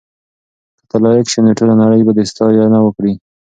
که ته لایق شې نو ټوله نړۍ به دې ستاینه وکړي.